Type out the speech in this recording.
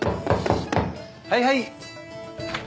はいはい！